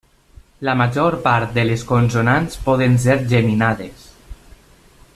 La major part de les consonants poden ser geminades.